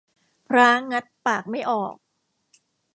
พร้างัดปากไม่ออก